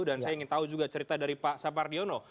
dan saya ingin tahu juga cerita dari pak sapardiono